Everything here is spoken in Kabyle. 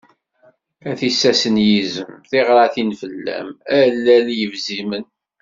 A tissas n yizem, tiɣratin fell-am, a lal n yebzimen.